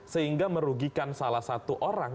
sehingga merugikan salah satu orang